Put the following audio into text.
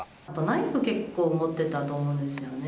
ナイフを結構持ってたと思うんですよね。